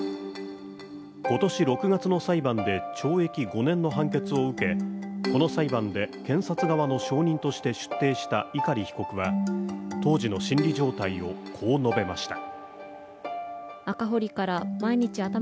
今年６月の裁判で懲役５年の判決を受け、この裁判で検察側の証人として出廷した碇被告は当時の心理状態をこう述べました。